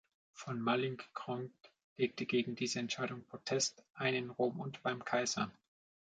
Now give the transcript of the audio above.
Von Mallinckrodt legte gegen diese Entscheidung Protest ein in Rom und beim Kaiser.